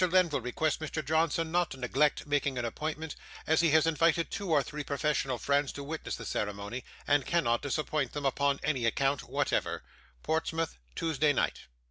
Lenville requests Mr. Johnson not to neglect making an appointment, as he has invited two or three professional friends to witness the ceremony, and cannot disappoint them upon any account whatever. "PORTSMOUTH, TUESDAY NIGHT."